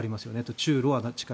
中ロは近い。